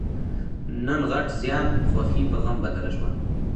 نن غټ زیان؛ خوښي په غم بدله شوه.